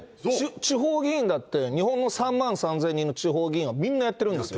地方議員だって、日本の３万３０００人の地方議員はみんなやってるんですよ。